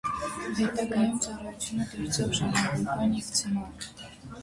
Հետագայում ծառայությունը դարձավ ժառանգական և ցմահ։